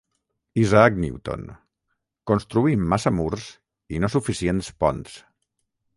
Isaac Newton: construïm massa murs i no suficients ponts.